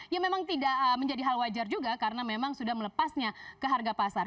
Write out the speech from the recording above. ya memang tidak menjadi hal wajar juga karena memang sudah melepasnya ke harga pasar